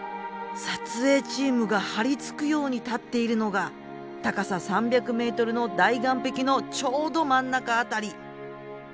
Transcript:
撮影チームが張り付くように立っているのが高さ３００ｍの大岩壁のちょうど真ん中辺り。